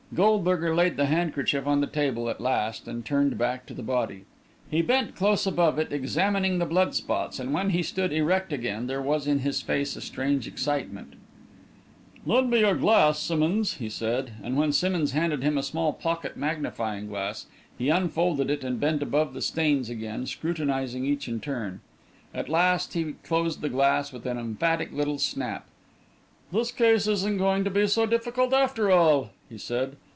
Goldberger laid the handkerchief on the table, at last, and turned back to the body. He bent close above it, examining the blood spots, and when he stood erect again there was in his face a strange excitement. "Lend me your glass, Simmonds," he said, and when Simmonds handed him a small pocket magnifying glass, he unfolded it and bent above the stains again, scrutinising each in turn. At last he closed the glass with an emphatic little snap. "This case isn't going to be so difficult, after all," he said.